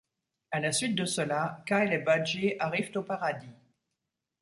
À la suite de cela, Kyle et Budgie arrivent au paradis.